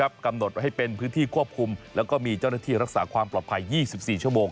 กำหนดไว้ให้เป็นพื้นที่ควบคุมแล้วก็มีเจ้าหน้าที่รักษาความปลอดภัย๒๔ชั่วโมง